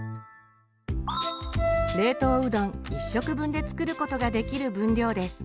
冷凍うどん１食分で作ることができる分量です。